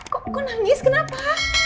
kau nangis kenapa